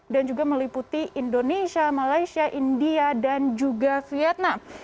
dan juga meliputi indonesia malaysia india dan juga vietnam